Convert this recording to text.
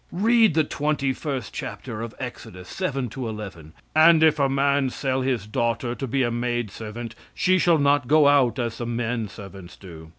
Read the twenty first chapter of Exodus, 7 to 11. "And if a man sell his daughter to be a maid servant, she shall not go out as the men servants do.